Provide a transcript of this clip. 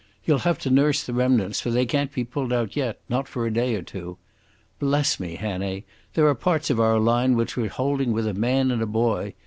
You'll have to nurse the remnants, for they can't be pulled out yet—not for a day or two. Bless me, Hannay, there are parts of our line which we're holding with a man and a boy.